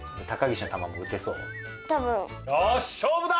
よし勝負だ！